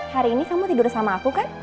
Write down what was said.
hari ini kamu tidur sama aku kan